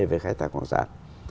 vấn đề về khai thác khoáng sản